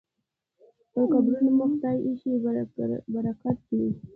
پر قبرونو مو خدای ایښی برکت دی